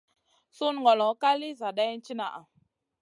Sunu ŋolo ka lì zadaina tìnaha.